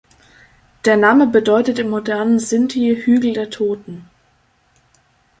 Der Name bedeutet im modernen Sindhi „Hügel der Toten“.